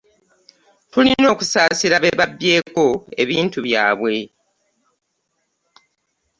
Tulina okusaasira be babyeko ebintu byange.